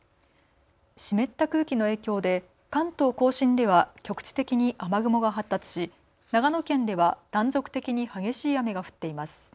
湿った空気の影響で関東甲信では局地的に雨雲が発達し長野県では断続的に激しい雨が降っています。